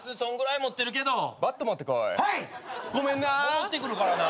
戻ってくるからな。